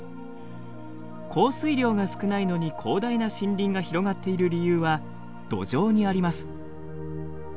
降水量が少ないのに広大な森林が広がっている理由は土壌にあります。